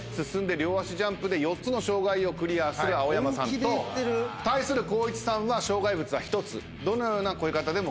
両足ジャンプで４つの障害をクリアする青山さんと対する光一さんは障害物は１つどのような越え方でも結構です。